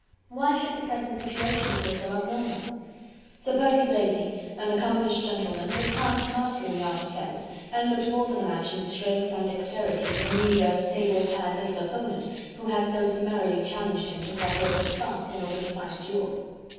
Why should the present situation appear so abnormal? Sir Percy Blakeney an accomplished gentleman was past master in the art of fence, and looked more than a match in strength and dexterity for the meagre, sable clad little opponent who had so summarily challenged him to cross over to France, in order to fight a duel.